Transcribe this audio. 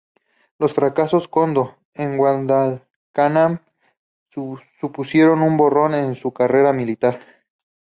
Los fracasos Kondō en Guadalcanal supusieron un borrón en su carrera militar.